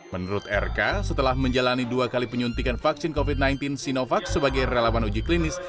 menurut rk setelah menjalani dua kali penyuntikan vaksin covid sembilan belas sinovac sebagai relawan uji klinis